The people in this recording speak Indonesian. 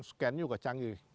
scan juga canggih